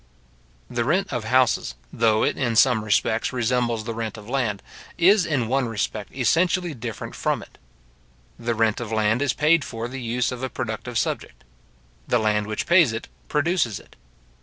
The rent of houses, though it in some respects resembles the rent of land, is in one respect essentially different from it. The rent of land is paid for the use of a productive subject. The land which pays it produces it.